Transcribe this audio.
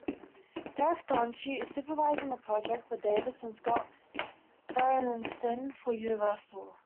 Derek Dauchy is supervising the project for Davis and Scott Bernstein for Universal.